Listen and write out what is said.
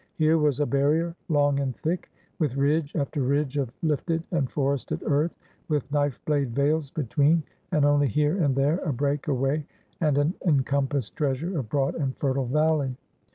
Here was a barrier long and thick, with ridge after ridge of lifted and forested earth, with knife blade vales between, and only here and there a break away and an encompassed treasure of broad and fertile valley.